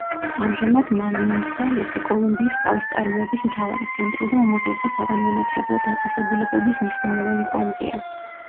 ამჟამად, მანისალესი კოლუმბიის ყავის წარმოების მთავარი ცენტრი და უმაღლესი საგანმანათლებლო დაწესებულებების მნიშვნელოვანი კვანძია.